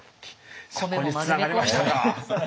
そこにつながりましたか！